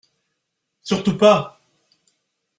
Surtout pas !